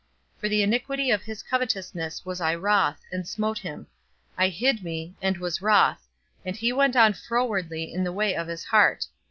For the iniquity of his covetousness was I wroth, and smote him: I hid me, and was wroth, and he went on frowardly in the way of his heart.